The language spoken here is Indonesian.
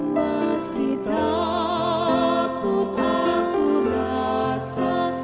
meski takut aku rasa